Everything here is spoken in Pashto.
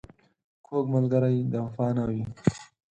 کوږ ملګری د وفا نه وي